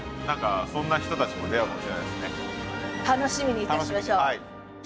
楽しみにいたしましょう。